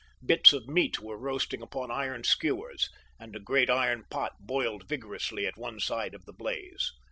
Bits of meat were roasting upon iron skewers, and a great iron pot boiled vigorously at one side of the blaze.